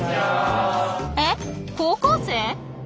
えっ高校生！？